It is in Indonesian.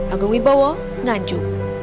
agung wibowo nganju